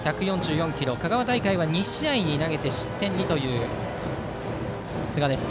香川大会は２試合に投げて失点２という寿賀です。